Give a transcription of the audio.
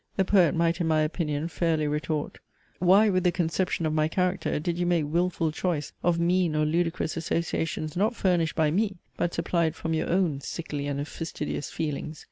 the poet might in my opinion fairly retort: why with the conception of my character did you make wilful choice of mean or ludicrous associations not furnished by me, but supplied from your own sickly and fastidious feelings?